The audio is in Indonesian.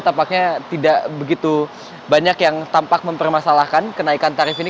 tampaknya tidak begitu banyak yang tampak mempermasalahkan kenaikan tarif ini